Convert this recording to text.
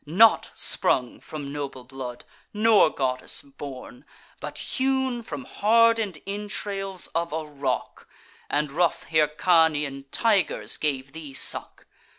Not sprung from noble blood, nor goddess born, But hewn from harden'd entrails of a rock! And rough Hyrcanian tigers gave thee suck!